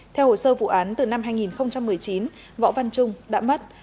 theo hồ sơ vụ án từ năm hai nghìn một mươi chín võ văn trung đã mất